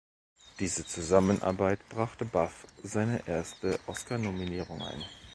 Diese Zusammenarbeit brachte Buff seine erste Oscar-Nominierung ein.